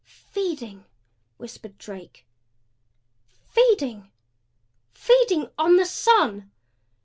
"Feeding!" whispered Drake. "Feeding! Feeding on the sun!"